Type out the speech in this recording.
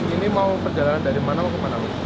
ini mau perjalanan dari mana mau kemana